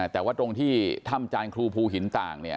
แต่ว่าตรงที่ถ้าท่างทราญครูภูหินต่าง